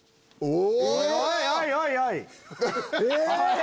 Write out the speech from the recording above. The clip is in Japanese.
お！